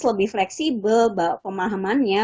lebih fleksibel pemahamannya